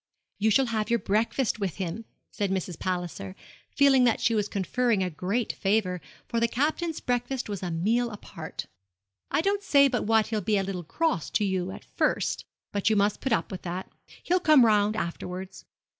'You shall have your breakfast with him,' said Mrs. Palliser, feeling that she was conferring a great favour, for the Captain's breakfast was a meal apart. 'I don't say but what he'll be a little cross to you at first; but you must put up with that. He'll come round afterwards.'